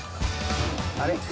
あれ？